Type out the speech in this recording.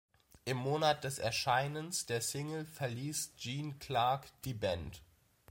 Im Monat des Erscheinens der Single verließ Gene Clark die Band.